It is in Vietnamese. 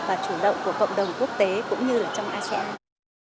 và chủ động của cộng đồng quốc tế cũng như là trong asean